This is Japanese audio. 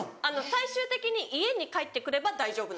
最終的に家に帰ってくれば大丈夫なんです。